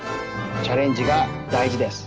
チャレンジがだいじです。